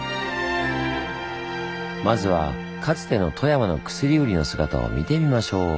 まずはかつての富山の薬売りの姿を見てみましょう。